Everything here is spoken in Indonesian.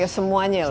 ya semuanya lah